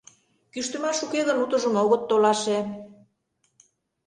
Кӱштымаш уке гын, утыжым огыт толаше.